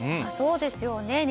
そうですよね。